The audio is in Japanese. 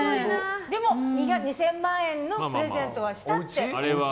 でも、２０００万円のプレゼントはしたって。